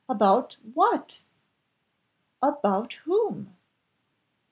about what about whom?"